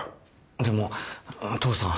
でも父さん。